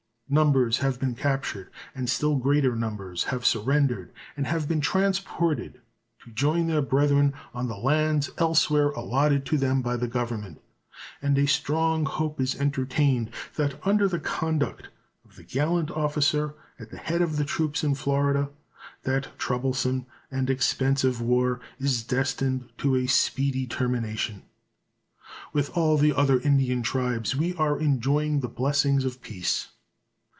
Numbers have been captured, and still greater numbers have surrendered and have been transported to join their brethren on the lands elsewhere allotted to them by the Government, and a strong hope is entertained that under the conduct of the gallant officer at the head of the troops in Florida that troublesome and expensive war is destined to a speedy termination. With all the other Indian tribes we are enjoying the blessings of peace.